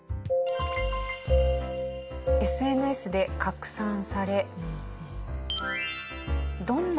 ＳＮＳで拡散され。